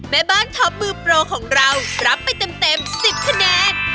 แม่บ้านท็อปมือโปรของเรารับไปเต็ม๑๐คะแนน